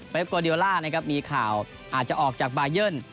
เวรียสกวอดิโอร่าอาจจะออกจากบายเนิน